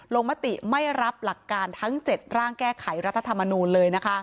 มติไม่รับหลักการทั้ง๗ร่างแก้ไขรัฐธรรมนูลเลยนะคะ